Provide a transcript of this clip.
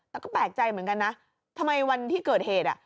แต่ก็แปลกใจเหมือนกันนะทำไมวันที่เกิดเหตุอ่ะ